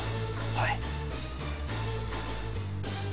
はい。